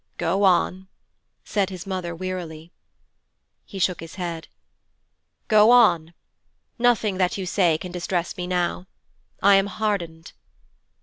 'Go on,' said his mother wearily. He shook his head. 'Go on. Nothing that you say can distress me now. I am hardened.'